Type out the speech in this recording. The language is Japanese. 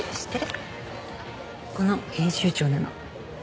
この編集長なの。